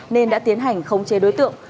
nên đã tiến hành khống chế đối tượng